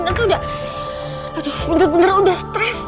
tante udah aduh bener bener udah stress